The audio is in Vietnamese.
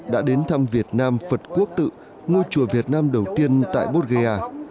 đã đến thăm việt nam phật quốc tự ngôi chùa việt nam đầu tiên tại bodh gaya